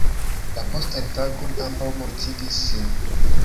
La postan tagon ambaŭ mortigis sin.